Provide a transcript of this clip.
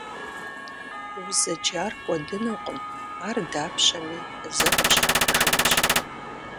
Узэджар кӀуэдынукъым, ар дапщэми зэ къыпщхьэпэжынущ.